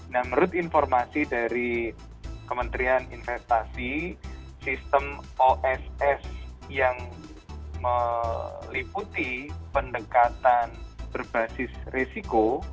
nah menurut informasi dari kementerian investasi sistem oss yang meliputi pendekatan berbasis risiko